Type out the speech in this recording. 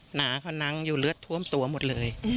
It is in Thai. หนาเขานั่งอยู่เลือดท่วมตัวหมดเลย